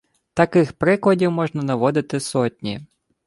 Таких прикладів можна наводити сотні